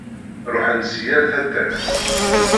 Ṛuḥen-d si yal taddart.